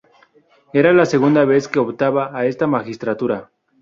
Era la segunda vez que optaba a esta magistratura.